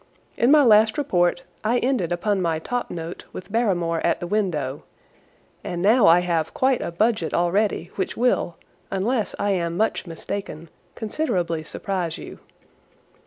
In my last report I ended upon my top note with Barrymore at the window, and now I have quite a budget already which will, unless I am much mistaken, considerably surprise you.